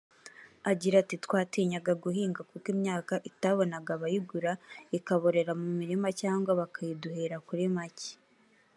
Agira ati “Twatinyaga guhinga kuko imyaka itabonaga abayigura ikaborera mu mirima cyangwa bakayiduhera kuri make